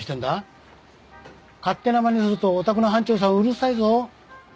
勝手なまねをするとお宅の班長さんうるさいぞ。